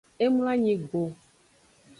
E mloanyi go.